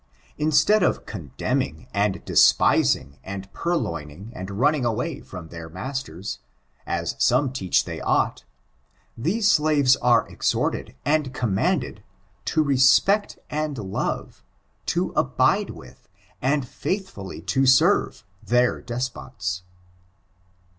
Instead of contemning, and despising, and purloining, and runnii^ away from their masters, as some teach they ought, these slaves are exhorted, and commanded, to req>ect and love, to abide with, and faithfully to serve, their despots.